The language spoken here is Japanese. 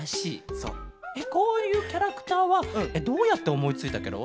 えっこういうキャラクターはどうやっておもいついたケロ？